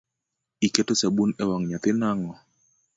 Iketo sabun ewang’ nyathi nang’o?